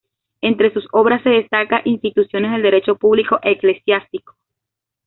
Entre sus obras se destaca "Instituciones del Derecho Público Eclesiástico".